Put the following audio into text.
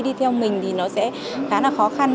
đi theo mình thì nó sẽ khá là khó khăn